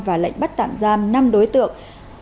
và lệnh bắt tạm giam năm đối tượng